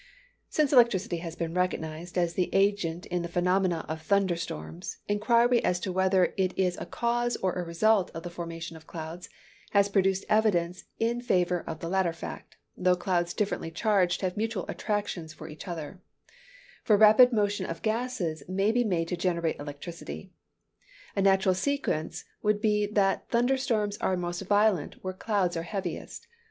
Since electricity has been recognized as the agent in the phenomena of thunder storms, inquiry as to whether it is a cause or a result of the formation of clouds, has produced evidence in favor of the latter fact (though clouds differently charged have mutual attraction for each other), for rapid motion of gases may be made to generate electricity. A natural sequence would be that thunder storms are most violent where clouds are heaviest.